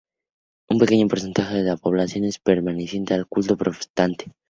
Un pequeño porcentaje de la población es perteneciente al culto protestante.